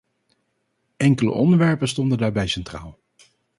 Enkele onderwerpen stonden daarbij centraal.